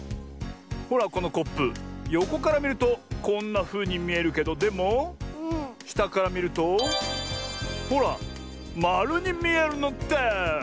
ほらこのコップよこからみるとこんなふうにみえるけどでもしたからみるとほらまるにみえるのです！